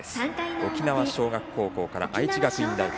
沖縄尚学から愛知学院大学。